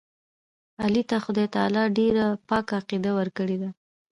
علي ته خدای تعالی ډېره پاکه عقیده ورکړې ده.